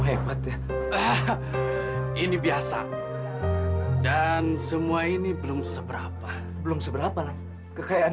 urusan uang belakangan